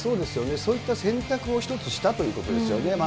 そういった選択を１つしたということですよね。